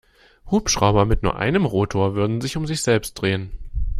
Hubschrauber mit nur einem Rotor würden sich um sich selbst drehen.